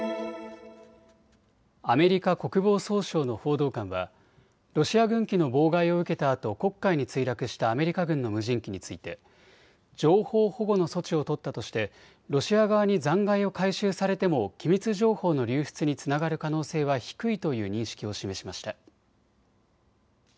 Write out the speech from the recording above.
アメリカ国防総省の報道官はロシア軍機の妨害を受けたあと黒海に墜落したアメリカ軍の無人機について情報保護の措置を取ったとしてロシア側に残骸を回収されても機密情報の流出につながる可能性は低いという認識を示しました。